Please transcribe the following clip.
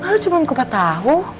lu cuma kupat tahu